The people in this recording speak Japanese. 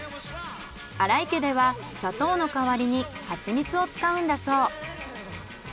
新井家では砂糖の代わりにハチミツを使うんだそう。